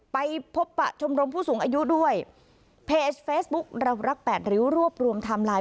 ไปพบปะชมรมผู้สูงอายุด้วยเพจเฟซบุ๊คเรารักแปดริ้วรวบรวมไทม์ไลน์